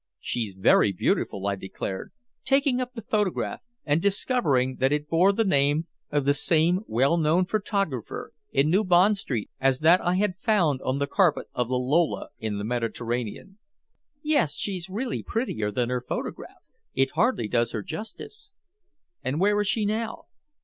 "She's very beautiful!" I declared, taking up the photograph and discovering that it bore the name of the same well known photographer in New Bond Street as that I had found on the carpet of the Lola in the Mediterranean. "Yes. She's really prettier than her photograph. It hardly does her justice." "And where is she now?"